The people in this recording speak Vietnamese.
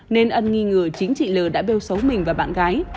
nên ân nghi ngờ chính chị l đã bêu xấu mình vào bạn gái